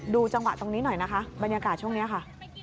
จังหวะตรงนี้หน่อยนะคะบรรยากาศช่วงนี้ค่ะ